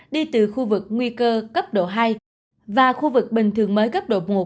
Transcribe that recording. đi từ khu vực nguy cơ cấp độ hai và khu vực bình thường mới cấp độ một